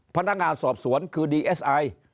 พนักงานสอบสวนคือดีเอสไอ